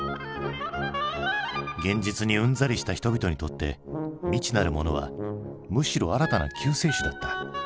現実にうんざりした人々にとって未知なるものはむしろ新たな救世主だった。